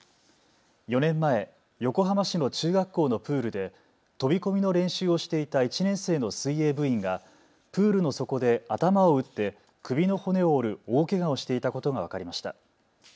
４年前、横浜市の中学校のプールで飛び込みの練習をしていた１年生の水泳部員がプールの底で頭を打って首の骨を折る大けがをしていたことが分かりました。